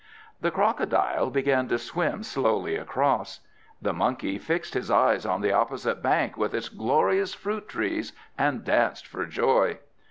The Crocodile began to swim slowly across. The Monkey fixed his eyes on the opposite bank with its glorious fruit trees, and danced for joy.